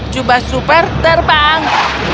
jubah super terbang